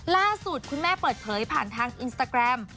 ล่าสุดคุณแม่เปิดเผยผ่านทางอินสตาแกรม